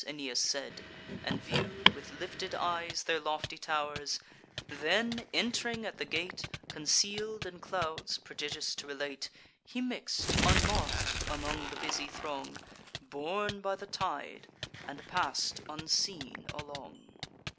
Aeneas said, and view'd, with lifted eyes, Their lofty tow'rs; then, ent'ring at the gate, Conceal'd in clouds (prodigious to relate) He mix'd, unmark'd, among the busy throng, Borne by the tide, and pass'd unseen along.